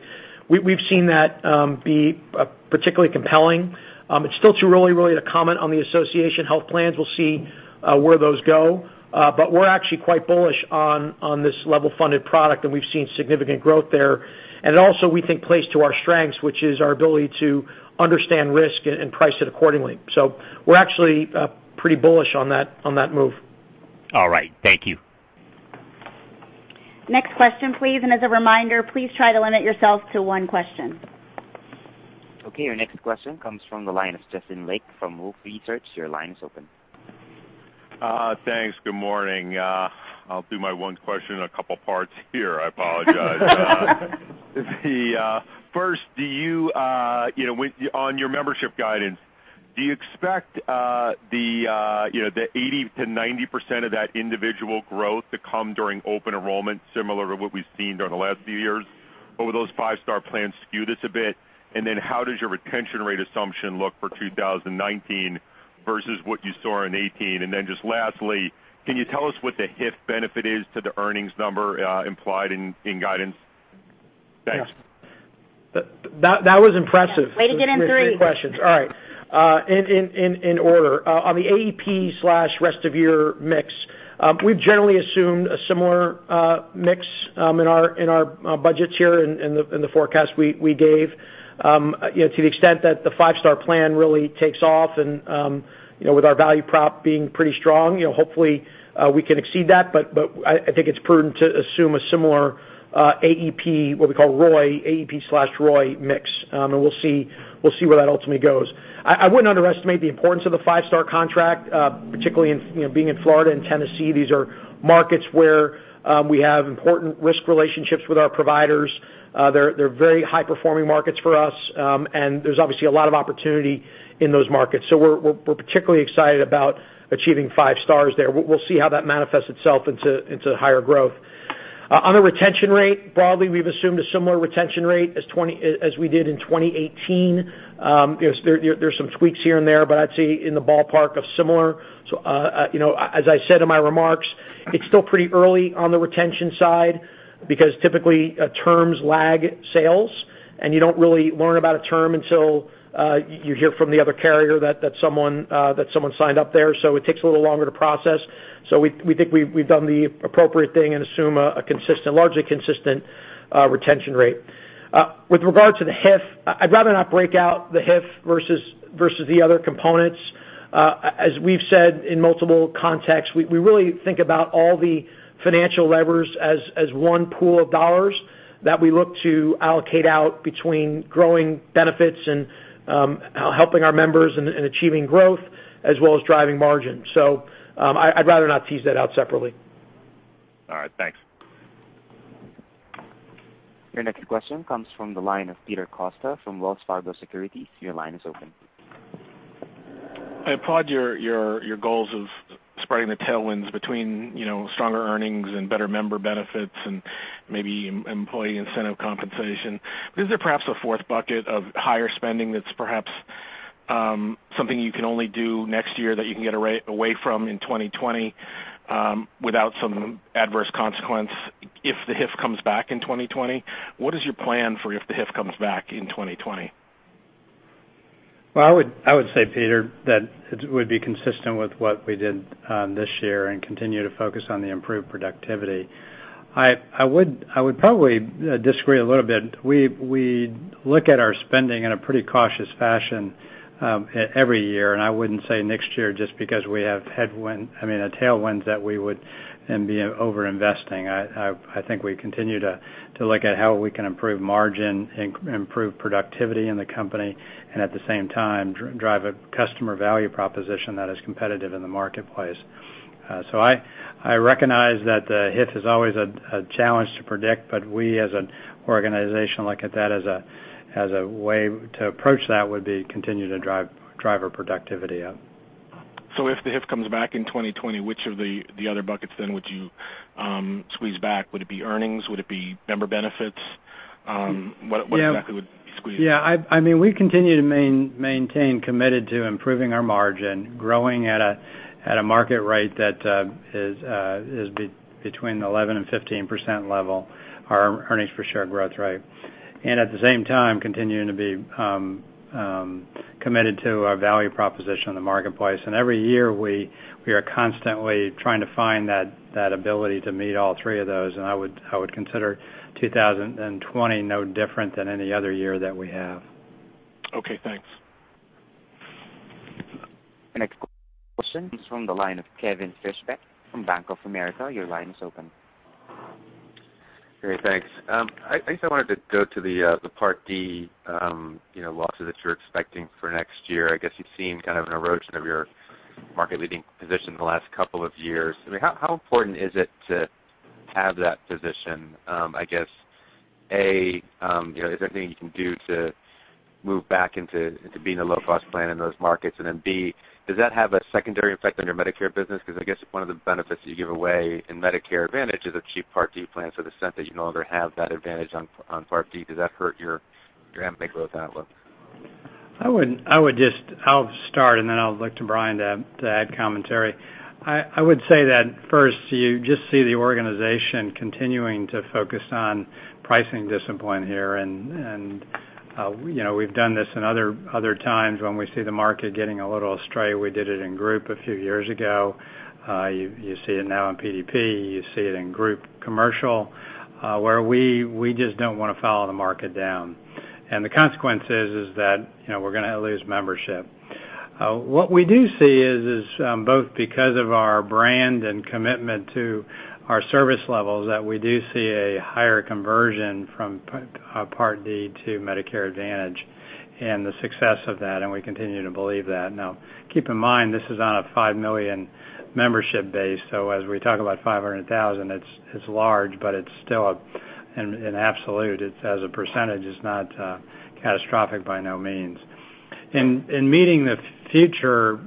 We've seen that be particularly compelling. It's still too early, really, to comment on the association health plans. We'll see where those go. We're actually quite bullish on this level funded product, and we've seen significant growth there. It also, we think, plays to our strengths, which is our ability to understand risk and price it accordingly. We're actually pretty bullish on that move. All right. Thank you. Next question, please. As a reminder, please try to limit yourselves to one question. Okay, your next question comes from the line of Justin Lake from Wolfe Research. Your line is open. Thanks. Good morning. I'll do my one question in a couple of parts here. I apologize. First, on your membership guidance, do you expect the 80%-90% of that individual growth to come during open enrollment, similar to what we've seen during the last few years? Or will those five-star plans skew this a bit? How does your retention rate assumption look for 2019 versus what you saw in 2018? Just lastly, can you tell us what the HIF benefit is to the earnings number implied in guidance? Thanks. That was impressive. Way to get it in three. Three questions. All right. In order. On the AEP/rest of year mix, we've generally assumed a similar mix in our budgets here in the forecast we gave. To the extent that the five-star plan really takes off and with our value prop being pretty strong, hopefully we can exceed that, but I think it's prudent to assume a similar AEP, what we call ROI, AEP/ROI mix. We'll see where that ultimately goes. I wouldn't underestimate the importance of the five-star contract, particularly being in Florida and Tennessee. These are markets where we have important risk relationships with our providers. They're very high-performing markets for us. There's obviously a lot of opportunity in those markets. We're particularly excited about achieving five stars there. We'll see how that manifests itself into higher growth. On a retention rate, broadly, we've assumed a similar retention rate as we did in 2018. There's some tweaks here and there, but I'd say in the ballpark of similar. As I said in my remarks, it's still pretty early on the retention side because typically terms lag sales, and you don't really learn about a term until you hear from the other carrier that someone signed up there. It takes a little longer to process. We think we've done the appropriate thing and assume a largely consistent retention rate. With regard to the HIF, I'd rather not break out the HIF versus the other components. As we've said in multiple contexts, we really think about all the financial levers as one pool of dollars that we look to allocate out between growing benefits and helping our members and achieving growth as well as driving margin. I'd rather not tease that out separately. All right. Thanks. Your next question comes from the line of Peter Costa from Wells Fargo Securities. Your line is open. I applaud your goals of spreading the tailwinds between stronger earnings and better member benefits and maybe employee incentive compensation. Is there perhaps a fourth bucket of higher spending that's perhaps something you can only do next year that you can get away from in 2020 without some adverse consequence if the HIF comes back in 2020? What is your plan for if the HIF comes back in 2020? Well, I would say, Peter, that it would be consistent with what we did this year and continue to focus on the improved productivity. I would probably disagree a little bit. We look at our spending in a pretty cautious fashion every year, and I wouldn't say next year just because we have tailwinds that we would then be over-investing. I think we continue to look at how we can improve margin, improve productivity in the company, and at the same time, drive a customer value proposition that is competitive in the marketplace. I recognize that the HIF is always a challenge to predict, but we, as an organization, look at that as a way to approach that would be continue to drive our productivity up. If the HIF comes back in 2020, which of the other buckets then would you squeeze back? Would it be earnings? Would it be member benefits? What exactly would you squeeze? Yeah. We continue to maintain committed to improving our margin, growing at a market rate that is between 11% and 15% level, our earnings per share growth rate. At the same time, continuing to be committed to our value proposition in the marketplace. Every year, we are constantly trying to find that ability to meet all three of those, and I would consider 2020 no different than any other year that we have. Okay, thanks. The next question comes from the line of Kevin Fischbeck from Bank of America. Your line is open. Great, thanks. I guess I wanted to go to the Part D losses that you're expecting for next year. I guess you've seen an erosion of your market-leading position in the last couple of years. How important is it to have that position? I guess, A, is there anything you can do to move back into being a low-cost plan in those markets? B, does that have a secondary effect on your Medicare business? Because I guess one of the benefits you give away in Medicare Advantage is a cheap Part D plan. The extent that you no longer have that advantage on Part D, does that hurt your Ambetter outlook? I'll start, and then I'll look to Brian to add commentary. I would say that first, you just see the organization continuing to focus on pricing discipline here, and we've done this in other times when we see the market getting a little astray. We did it in Group a few years ago. You see it now in PDP. You see it in Group Commercial, where we just don't want to follow the market down. The consequence is that we're going to lose membership. What we do see is, both because of our brand and commitment to our service levels, that we do see a higher conversion from Part D to Medicare Advantage and the success of that, and we continue to believe that. Keep in mind, this is on a 5 million membership base, so as we talk about 500,000, it's large, but it's still, in absolute, as a percentage, it's not catastrophic by no means. In meeting the future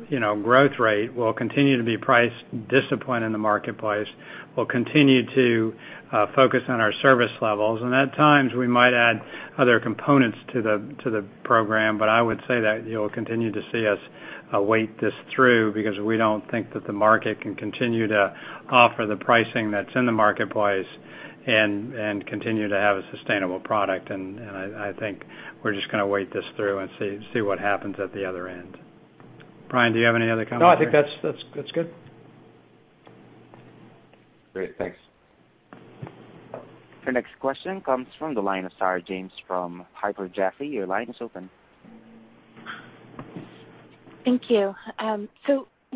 growth rate, we'll continue to be price discipline in the marketplace. We'll continue to focus on our service levels, and at times, we might add other components to the program. I would say that you'll continue to see us wait this through because we don't think that the market can continue to offer the pricing that's in the marketplace and continue to have a sustainable product. I think we're just going to wait this through and see what happens at the other end. Brian, do you have any other comments? No, I think that's good. Great. Thanks. Your next question comes from the line of Sarah James from Piper Jaffray. Your line is open. Thank you.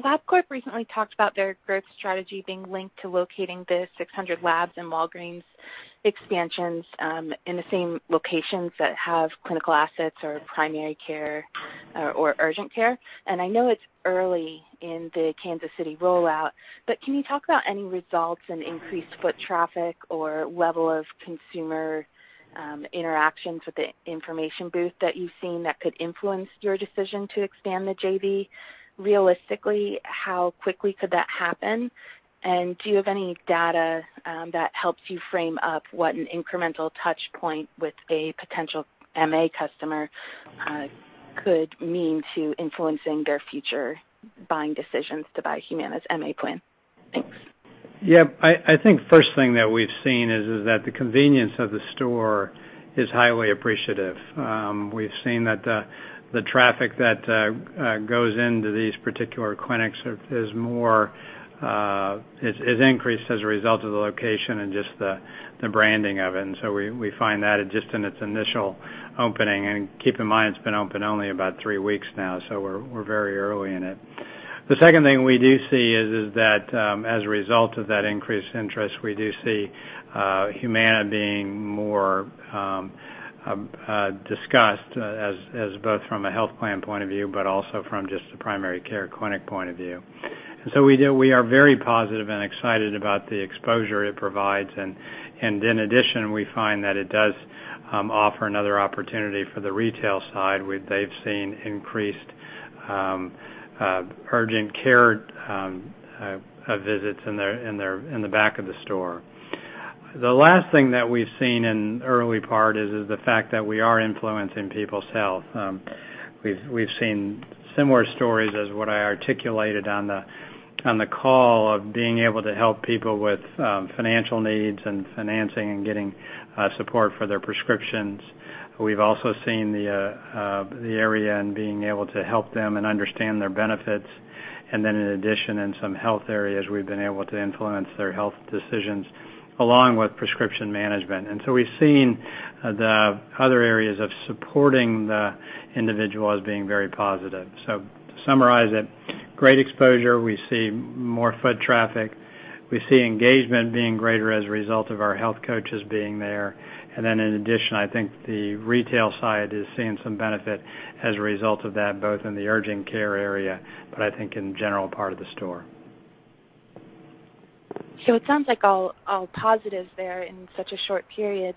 LabCorp recently talked about their growth strategy being linked to locating the 600 labs in Walgreens expansions in the same locations that have clinical assets or primary care or urgent care. I know it's early in the Kansas City rollout, but can you talk about any results in increased foot traffic or level of consumer interactions with the information booth that you've seen that could influence your decision to expand the JV? Realistically, how quickly could that happen? Do you have any data that helps you frame up what an incremental touchpoint with a potential MA customer could mean to influencing their future buying decisions to buy Humana's MA plan? Thanks. I think first thing that we've seen is that the convenience of the store is highly appreciative. We've seen that the traffic that goes into these particular clinics has increased as a result of the location and just the branding of it. We find that just in its initial opening. Keep in mind, it's been open only about three weeks now, so we're very early in it. The second thing we do see is that, as a result of that increased interest, we do see Humana being more discussed as both from a health plan point of view, but also from just the primary care clinic point of view. We are very positive and excited about the exposure it provides. In addition, we find that it does offer another opportunity for the retail side, they've seen increased urgent care visits in the back of the store. The last thing that we've seen in early part is the fact that we are influencing people's health. We've seen similar stories as what I articulated on the call of being able to help people with financial needs and financing and getting support for their prescriptions. We've also seen the area and being able to help them and understand their benefits. In addition, in some health areas, we've been able to influence their health decisions along with prescription management. We've seen the other areas of supporting the individual as being very positive. To summarize it, great exposure. We see more foot traffic. We see engagement being greater as a result of our health coaches being there. In addition, I think the retail side is seeing some benefit as a result of that, both in the urgent care area, but I think in general part of the store. It sounds like all positive there in such a short period.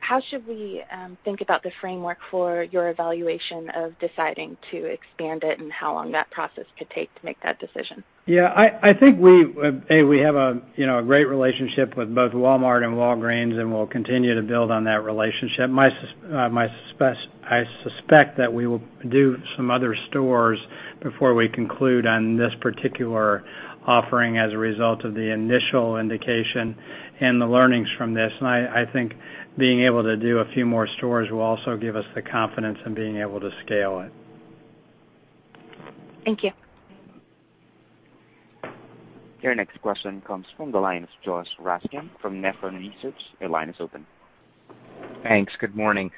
How should we think about the framework for your evaluation of deciding to expand it and how long that process could take to make that decision? Yeah, I think we have a great relationship with both Walmart and Walgreens, and we'll continue to build on that relationship. I suspect that we will do some other stores before we conclude on this particular offering as a result of the initial indication and the learnings from this. I think being able to do a few more stores will also give us the confidence in being able to scale it. Thank you. Your next question comes from the line of Josh Raskin from Nephron Research. Your line is open. Thanks. Good morning.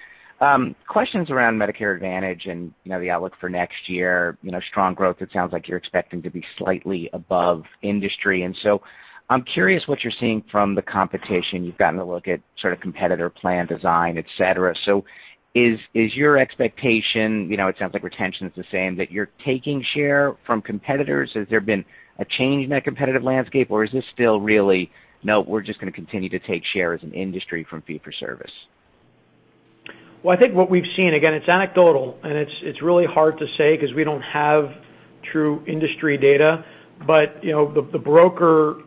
Questions around Medicare Advantage and the outlook for next year, strong growth. It sounds like you're expecting to be slightly above industry. I'm curious what you're seeing from the competition. You've gotten a look at sort of competitor plan design, et cetera. Is your expectation, it sounds like retention is the same, that you're taking share from competitors? Has there been a change in that competitive landscape, or is this still really, no, we're just going to continue to take share as an industry from fee for service? Well, I think what we've seen, again, it's anecdotal, and it's really hard to say because we don't have true industry data. The broker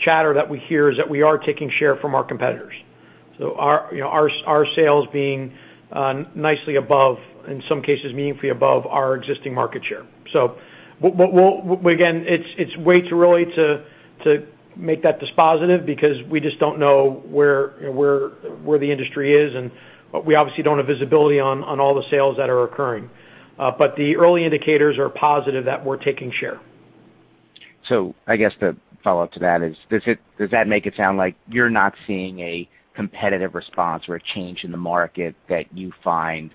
chatter that we hear is that we are taking share from our competitors. Our sales being nicely above, in some cases meaningfully above our existing market share. Again, it's way too early to make that dispositive because we just don't know where the industry is, and we obviously don't have visibility on all the sales that are occurring. The early indicators are positive that we're taking share. I guess the follow-up to that is, does that make it sound like you're not seeing a competitive response or a change in the market that you find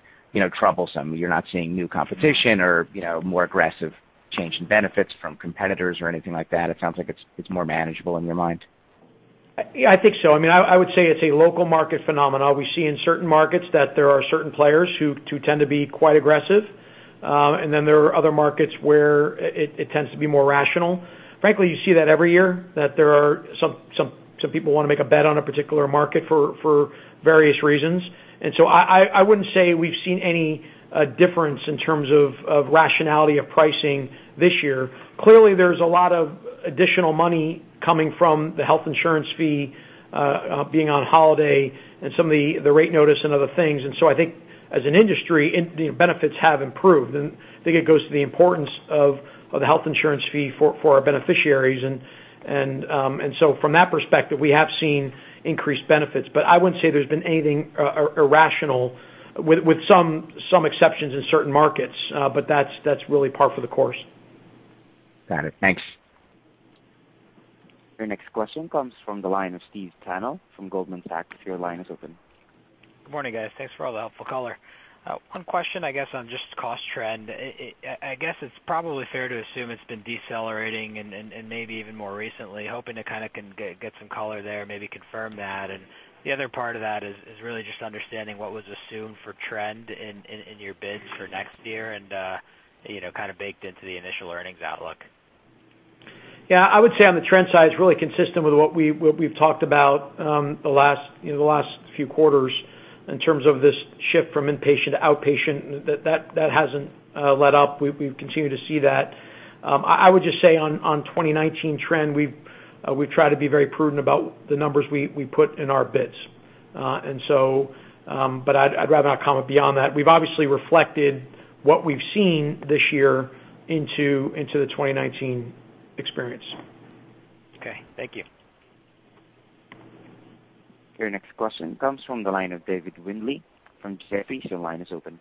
troublesome? You're not seeing new competition or more aggressive change in benefits from competitors or anything like that? It sounds like it's more manageable in your mind. Yeah, I think so. I would say it's a local market phenomenon. We see in certain markets that there are certain players who tend to be quite aggressive. There are other markets where it tends to be more rational. Frankly, you see that every year, that there are some people want to make a bet on a particular market for various reasons. I wouldn't say we've seen any difference in terms of rationality of pricing this year. Clearly, there's a lot of additional money coming from the health insurance fee being on holiday and some of the rate notice and other things. I think as an industry, the benefits have improved. I think it goes to the importance of the health insurance fee for our beneficiaries. From that perspective, we have seen increased benefits. I wouldn't say there's been anything irrational with some exceptions in certain markets. That's really par for the course. Got it. Thanks. Your next question comes from the line of Steve Tanal from Goldman Sachs. Your line is open. Good morning, guys. Thanks for all the helpful color. One question, I guess on just cost trend. I guess it's probably fair to assume it's been decelerating and maybe even more recently. Hoping to kind of get some color there, maybe confirm that. The other part of that is really just understanding what was assumed for trend in your bids for next year and kind of baked into the initial earnings outlook. Yeah, I would say on the trend side, it's really consistent with what we've talked about the last few quarters in terms of this shift from inpatient to outpatient. That hasn't let up. We've continued to see that. I would just say on 2019 trend, we try to be very prudent about the numbers we put in our bids. I'd rather not comment beyond that. We've obviously reflected what we've seen this year into the 2019 experience. Okay. Thank you. Your next question comes from the line of David Windley from Jefferies. Your line is open.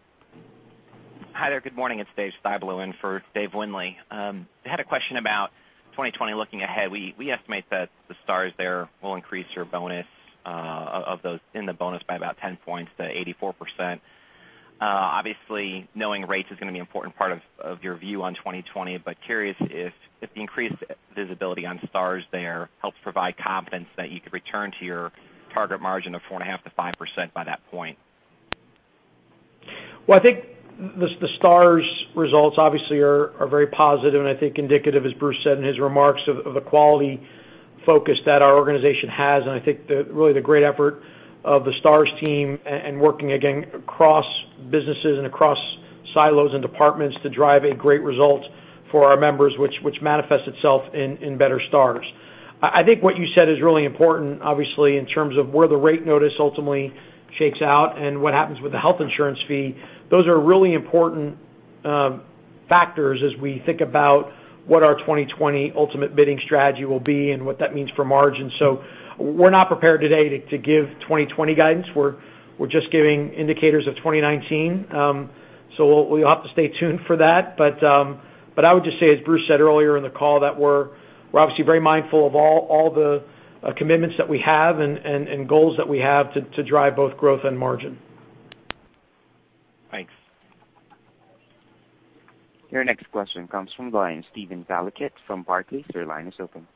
Hi there. Good morning. It's Dave Styblo in for Dave Windley. Had a question about 2020, looking ahead. We estimate that the Stars there will increase your bonus, in the bonus by about 10 points to 84%. Obviously, knowing rates is going to be an important part of your view on 2020, but curious if the increased visibility on Stars there helps provide confidence that you could return to your target margin of 4.5%-5% by that point. I think the Stars results obviously are very positive and I think indicative, as Bruce said in his remarks, of the quality focus that our organization has, and I think really the great effort of the Stars team and working again across businesses and across silos and departments to drive a great result for our members, which manifests itself in better Stars. I think what you said is really important, obviously, in terms of where the rate notice ultimately shakes out and what happens with the health insurance fee. Those are really important factors as we think about what our 2020 ultimate bidding strategy will be and what that means for margin. We're not prepared today to give 2020 guidance. We're just giving indicators of 2019. You'll have to stay tuned for that. I would just say, as Bruce said earlier in the call, that we're obviously very mindful of all the commitments that we have and goals that we have to drive both growth and margin. Thanks. Your next question comes from the line, Steven Valiquette from Barclays. Your line is open.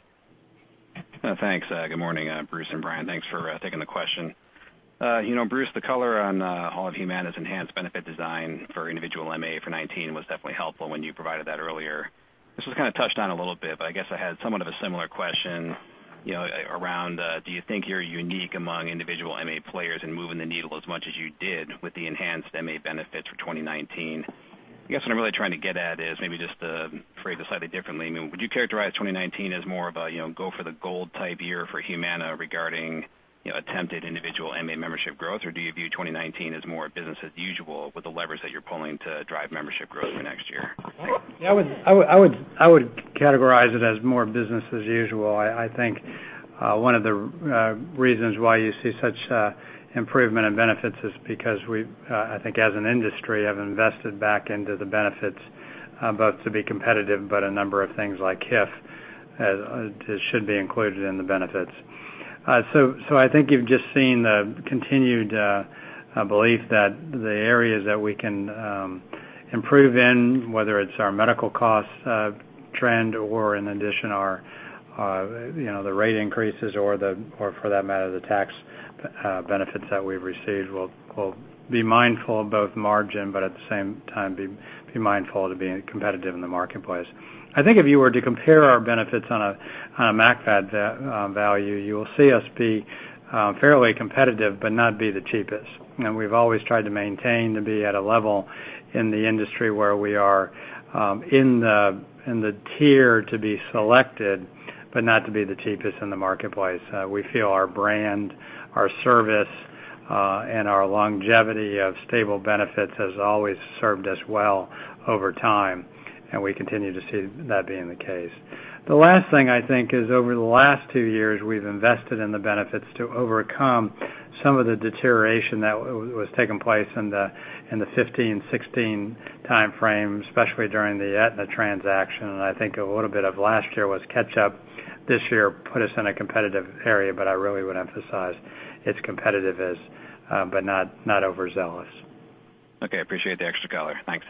Thanks. Good morning, Bruce and Brian. Thanks for taking the question. Bruce, the color on all of Humana's enhanced benefit design for individual MA for 2019 was definitely helpful when you provided that earlier. This was kind of touched on a little bit, but I guess I had somewhat of a similar question around, do you think you're unique among individual MA players in moving the needle as much as you did with the enhanced MA benefits for 2019? I guess what I'm really trying to get at is maybe just to phrase it slightly differently. Would you characterize 2019 as more of a go-for-the-gold type year for Humana regarding attempted individual MA membership growth, or do you view 2019 as more business as usual with the levers that you're pulling to drive membership growth for next year? I would categorize it as more business as usual. I think one of the reasons why you see such improvement in benefits is because we, I think as an industry, have invested back into the benefits both to be competitive, but a number of things like HIF should be included in the benefits. I think you've just seen the continued belief that the areas that we can improve in, whether it's our medical cost trend or in addition the rate increases or for that matter, the tax benefits that we've received, we'll be mindful of both margin, but at the same time be mindful to being competitive in the marketplace. I think if you were to compare our benefits on a MAC value, you will see us be fairly competitive but not be the cheapest. We've always tried to maintain to be at a level in the industry where we are in the tier to be selected, but not to be the cheapest in the marketplace. We feel our brand, our service, and our longevity of stable benefits has always served us well over time, and we continue to see that being the case. The last thing I think is over the last two years, we've invested in the benefits to overcome some of the deterioration that was taking place in the 2015, 2016 time frame, especially during the Aetna transaction, and I think a little bit of last year was catch up. This year put us in a competitive area, but I really would emphasize it's competitive but not overzealous. Okay. I appreciate the extra color. Thanks.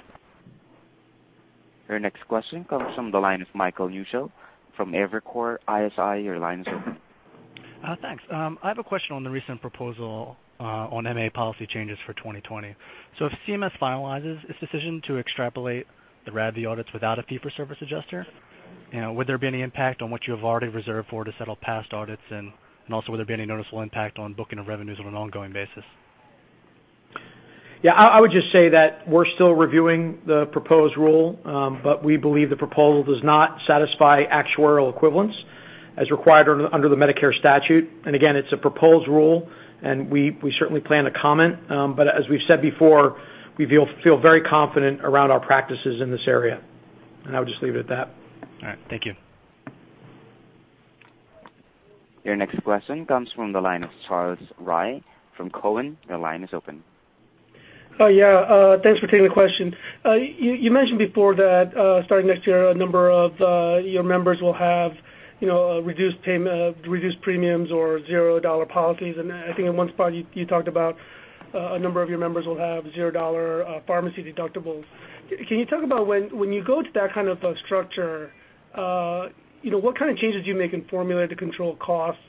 Your next question comes from the line of Michael Newshel from Evercore ISI. Your line is open. Thanks. I have a question on the recent proposal on MA policy changes for 2020. If CMS finalizes its decision to extrapolate the RADV audits without a fee for service adjuster, would there be any impact on what you have already reserved for to settle past audits? Would there be any noticeable impact on booking of revenues on an ongoing basis? Yeah, I would just say that we're still reviewing the proposed rule, but we believe the proposal does not satisfy actuarial equivalence as required under the Medicare statute. Again, it's a proposed rule and we certainly plan to comment. As we've said before, we feel very confident around our practices in this area, and I'll just leave it at that. All right. Thank you. Your next question comes from the line of Charles Rhyee from Cowen. Your line is open. Yeah. Thanks for taking the question. You mentioned before that starting next year, a number of your members will have reduced premiums or $0 policies. I think in one spot you talked about a number of your members will have $0 pharmacy deductibles. Can you talk about when you go to that kind of structure, what kind of changes do you make in formulary to control costs?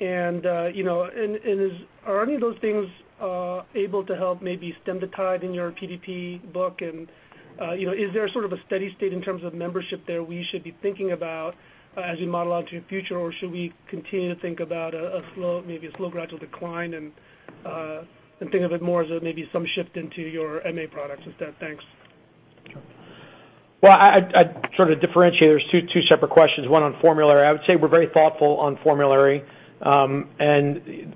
Are any of those things able to help maybe stem the tide in your PDP book? Is there sort of a steady state in terms of membership there we should be thinking about as you model out into your future, or should we continue to think about maybe a slow gradual decline and think of it more as maybe some shift into your MA products instead? Thanks. Well, I'd sort of differentiate. There's two separate questions, one on formulary. I would say we're very thoughtful on formulary. Obviously,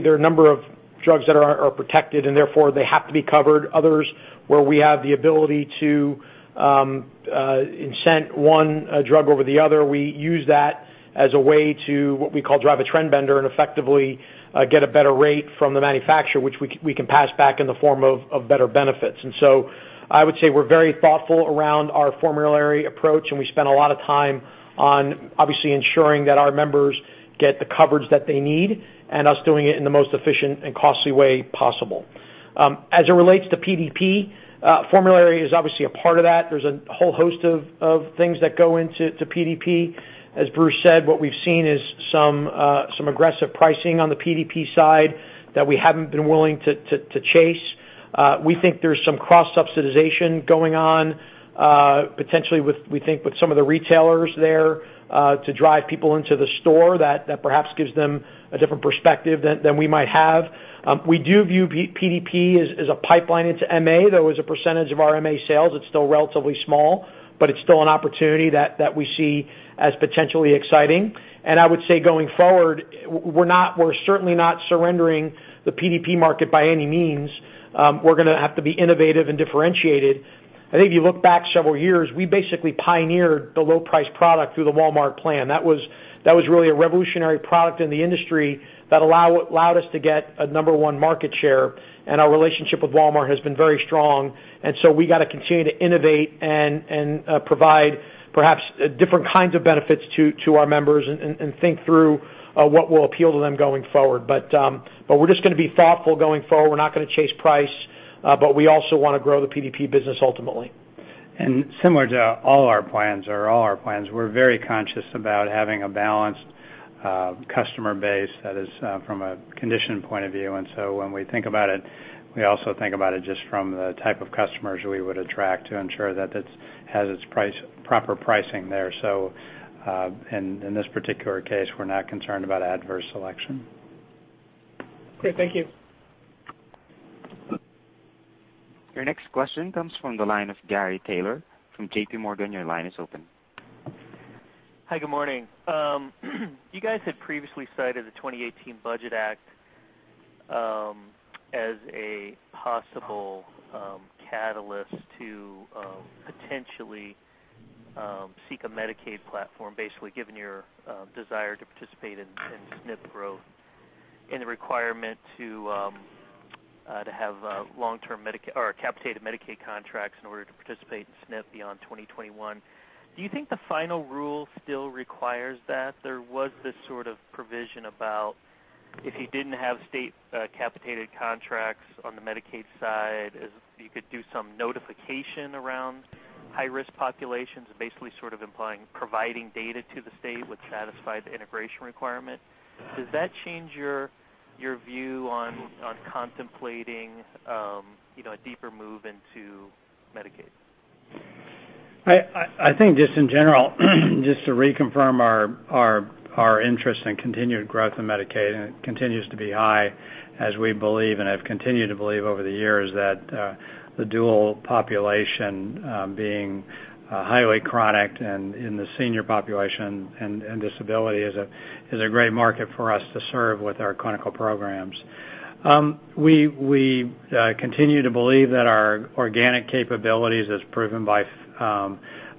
there are a number of drugs that are protected, and therefore they have to be covered. Others, where we have the ability to incent one drug over the other, we use that as a way to, what we call, drive a trend bender and effectively get a better rate from the manufacturer, which we can pass back in the form of better benefits. I would say we're very thoughtful around our formulary approach, and we spend a lot of time on obviously ensuring that our members get the coverage that they need and us doing it in the most efficient and costly way possible. As it relates to PDP, formulary is obviously a part of that. There's a whole host of things that go into PDP. As Bruce said, what we've seen is some aggressive pricing on the PDP side that we haven't been willing to chase. We think there's some cross-subsidization going on, potentially we think with some of the retailers there to drive people into the store, that perhaps gives them a different perspective than we might have. We do view PDP as a pipeline into MA. Though as a percentage of our MA sales, it's still relatively small, but it's still an opportunity that we see as potentially exciting. I would say going forward, we're certainly not surrendering the PDP market by any means. We're going to have to be innovative and differentiated. I think if you look back several years, we basically pioneered the low-price product through the Walmart plan. That was really a revolutionary product in the industry that allowed us to get a number one market share, our relationship with Walmart has been very strong. We got to continue to innovate and provide perhaps different kinds of benefits to our members and think through what will appeal to them going forward. We're just going to be thoughtful going forward. We're not going to chase price, we also want to grow the PDP business ultimately. Similar to all our plans or all our plans, we're very conscious about having a balanced customer base that is from a condition point of view. When we think about it, we also think about it just from the type of customers we would attract to ensure that it has its proper pricing there. In this particular case, we're not concerned about adverse selection. Great. Thank you. Your next question comes from the line of Gary Taylor from JPMorgan. Your line is open. Hi, good morning. You guys had previously cited the 2018 Budget Act as a possible catalyst to potentially seek a Medicaid platform, basically given your desire to participate in SNP growth and the requirement to have long-term Medicaid or capitated Medicaid contracts in order to participate in SNP beyond 2021. Do you think the final rule still requires that? There was this sort of provision about if you didn't have state capitated contracts on the Medicaid side, you could do some notification around high-risk populations and basically sort of implying providing data to the state would satisfy the integration requirement. Does that change your view on contemplating a deeper move into Medicaid? I think just in general, just to reconfirm our interest in continued growth in Medicaid. It continues to be high as we believe and have continued to believe over the years that the dual population, being highly chronic and in the senior population and disability, is a great market for us to serve with our clinical programs. We continue to believe that our organic capabilities, as proven by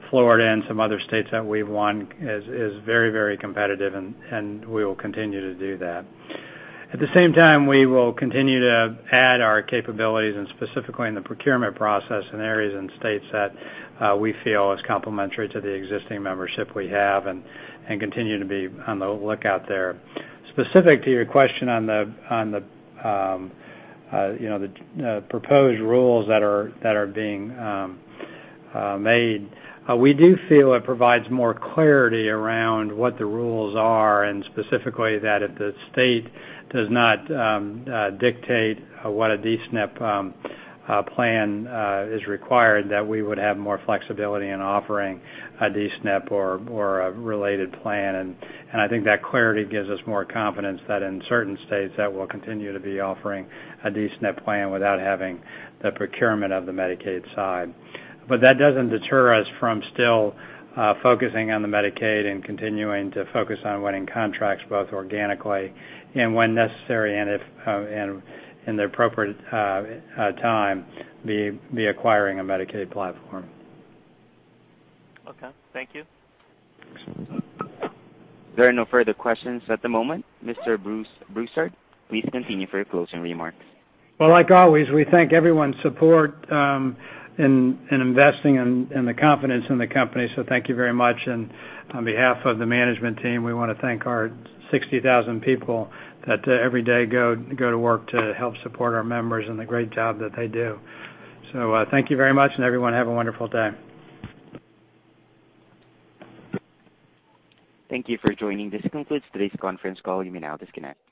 Florida and some other states that we've won, is very competitive. We will continue to do that. At the same time, we will continue to add our capabilities, specifically in the procurement process in areas and states that we feel is complementary to the existing membership we have and continue to be on the lookout there. Specific to your question on the proposed rules that are being made, we do feel it provides more clarity around what the rules are, specifically that if the state does not dictate what a D-SNP plan is required, that we would have more flexibility in offering a D-SNP or a related plan. I think that clarity gives us more confidence that in certain states, that we'll continue to be offering a D-SNP plan without having the procurement of the Medicaid side. That doesn't deter us from still focusing on the Medicaid and continuing to focus on winning contracts both organically and when necessary, and if in the appropriate time, the acquiring a Medicaid platform. Okay. Thank you. There are no further questions at the moment. Mr. Bruce Broussard, please continue for your closing remarks. Well, like always, we thank everyone's support, and investing, and the confidence in the company, so thank you very much. On behalf of the management team, we want to thank our 60,000 people that every day go to work to help support our members and the great job that they do. Thank you very much, and everyone, have a wonderful day. Thank you for joining. This concludes today's conference call. You may now disconnect.